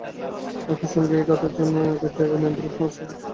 একই সঙ্গে এই খাতের জন্য একটি একক নিয়ন্ত্রক সংস্থা গঠনের পরামর্শও এসেছে।